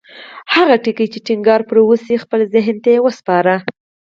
هغه ټکي چې ټينګار پرې وشو خپل ذهن ته وسپارئ.